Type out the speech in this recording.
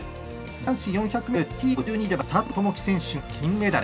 男子４００ｍＴ５２では佐藤友祈選手が金メダル。